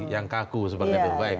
yang kaku sebagai pemilih